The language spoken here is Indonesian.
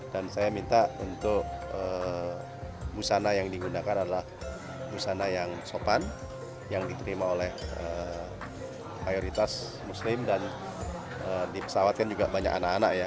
dan saya minta untuk busana yang digunakan adalah busana yang sopan yang diterima oleh mayoritas muslim dan dipesawatkan juga banyak anak anak ya